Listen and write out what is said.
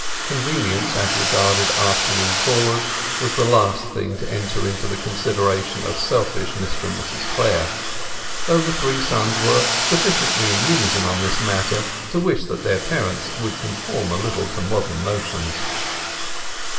Convenience as regarded afternoon callers was the last thing to enter into the consideration of unselfish Mr and Mrs Clare; though the three sons were sufficiently in unison on this matter to wish that their parents would conform a little to modern notions.